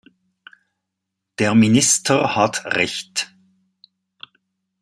Der Minister hat Recht.